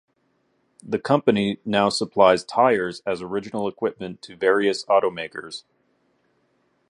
The company now supplies tires as original equipment to various automakers.